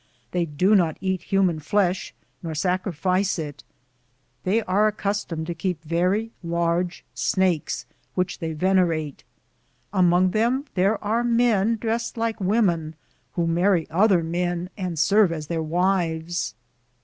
They do not eat human flesh nor sacrifice it. They are accustomed to keep very large snakes, which they ven erate. Among them there are men dressed like women who marry other men and serve as their wives.